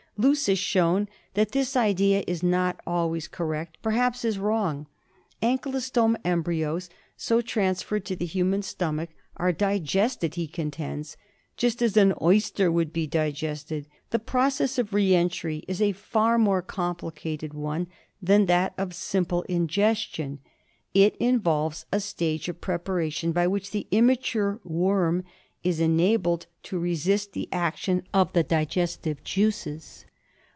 Loos has shown that this idea is not always correct, perhaps is wrong. Ankylostome embryos so transferred to the human stomach are di Embryo of Atikyloslemum dMibnal*. {Photo by Ur. R. Muir.) gested, he contends, just as an oyster would be digested. The process of re entry is a far more complicated one than that of simple ingestion; it involves a stage of pre paration by which the immature worm is enabled to resist the action of the digestive juices.